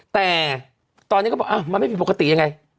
แต่ตอนนี้ก็บอกมันไม่ผิดปกติยังไง